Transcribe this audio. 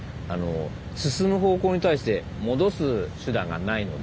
進む方向に対して戻す手段がないので。